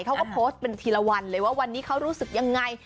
เขาก็โพสต์เป็นทีละวันเลยว่าวันนี้เขารู้สึกยังไง